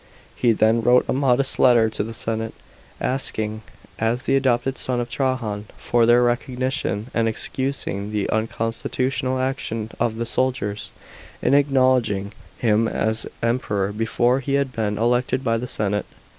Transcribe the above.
He then wrote a modest letter to the senate, asking, as the adopted son of Trajan, for their recognition, and excusing the unconstitutional action of the soldiers in acknowledging him as Emperor before he had been elected by the senate.